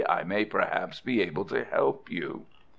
I may perhaps be able to help you."